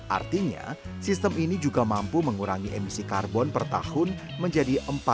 artinya sistem ini juga mampu mengurangi emisi karbon per tahun menjadi empat ton setara co dua